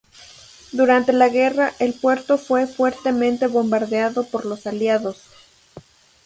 Durante la guerra el puerto fue fuertemente bombardeado por los aliados.